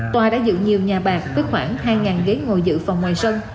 tòa đã giữ nhiều nhà bạc với khoảng hai ghế ngồi giữ phòng ngoài sân